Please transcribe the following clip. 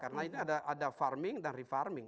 karena ini ada farming dan refarming